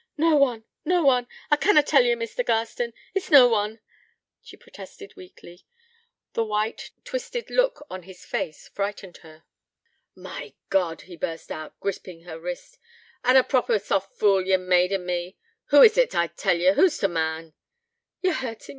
'No one, no one. I canna tell ye, Mr. Garstin.... It's no one,' she protested weakly. The white, twisted look on his face frightened her. 'My God!' he burst out, gripping her wrist, 'an' a proper soft fool ye've made o' me. Who is't, I tell ye? Who's t' man?' 'Ye're hurtin' me.